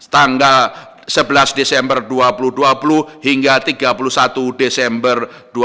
tanggal sebelas desember dua ribu dua puluh hingga tiga puluh satu desember dua ribu dua puluh